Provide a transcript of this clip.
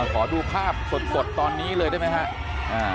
ขอดูภาพสดตอนนี้เลยได้ไหมครับ